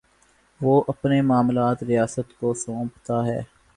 وہ اپنے معاملات ریاست کو سونپتا ہے۔